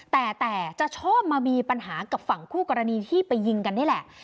แต่จะชอบมามีปัญหากับฝั่งคู่กรณีที่ไปยิงกันนี่แหละ